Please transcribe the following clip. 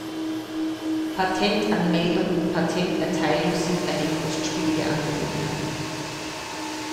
Patentanmeldung und Patenterteilung sind eine kostspielige Angelegenheit.